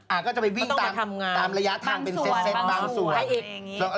อ่าก็จะไปวิ่งตามระยะทางเป็นเซ็ตบางส่วนอย่างนี้